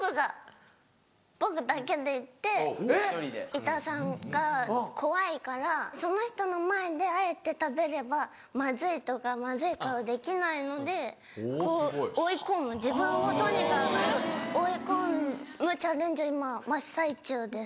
板さんが怖いからその人の前であえて食べればまずいとかまずい顔できないのでこう追い込む自分をとにかく追い込むチャレンジを今真っ最中です。